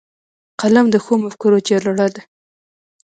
قلم د ښو مفکورو جرړه ده